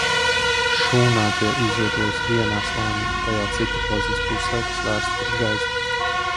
Šūnā tie izvietojas vienā slānī tajā citoplazmas pusē, kas vērsta pret gaismu.